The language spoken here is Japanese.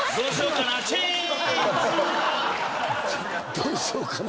どうしよっかな？